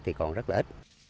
thì còn rất là ít